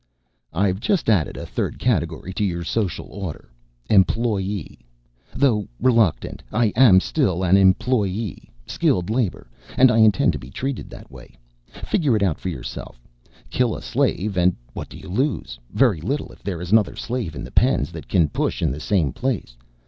"I've just added a third category to your social order. Employee. Though reluctant, I am still an employee, skilled labor, and I intend to be treated that way. Figure it out for yourself. Kill a slave and what do you lose? Very little if there is another slave in the pens that can push in the same place.